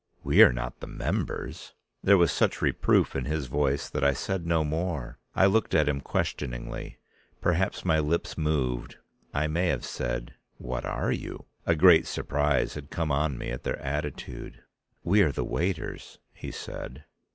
"We are not the members!" There was such reproof in his voice that I said no more, I looked at him questioningly, perhaps my lips moved, I may have said "What are you?" A great surprise had come on me at their attitude. "We are the waiters," he said.